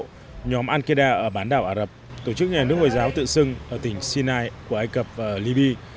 và ba nhóm ankeda ở bán đảo ả rập tổ chức nhà nước hồi giáo tự xưng ở tỉnh sinai của ai cập và libby